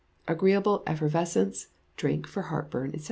Agreeable Effervescent Drink for Heartburn, &c.